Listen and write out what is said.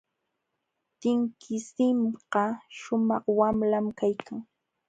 Tinkisinqa shumaq wamlam kaykan.